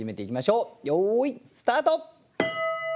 よいスタート！